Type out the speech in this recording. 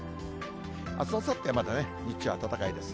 あす、あさってまだね、日中暖かいです。